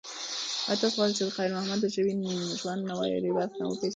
ایا تاسو غواړئ چې د خیر محمد د ژوند نورې برخې هم وپیژنئ؟